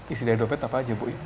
isi dari dompet apa aja bu